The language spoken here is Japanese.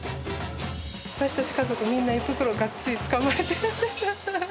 私たち家族、みんな胃袋がっつりつかまれてるんです。